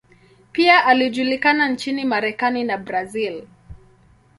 Pia alijulikana nchini Marekani na Brazil.